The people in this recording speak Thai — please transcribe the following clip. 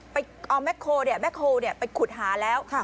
ไปเอาแบ็คโฮล์เนี้ยแบ็คโฮล์เนี้ยไปขุดหาแล้วค่ะ